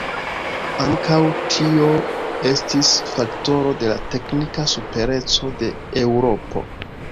Ankaŭ tio estis faktoro de la teknika supereco de Eŭropo.